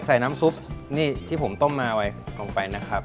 น้ำซุปนี่ที่ผมต้มมาไว้ลงไปนะครับ